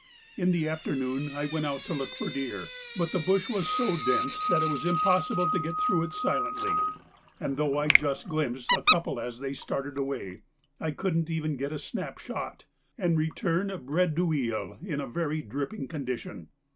In the afternoon I went out to look for deer, but the bush was so dense that it was impossible to get through it silently, and though I just glimpsed a couple as they started away, I couldn't even get a snap shot, and returned bredouille in a very dripping condition.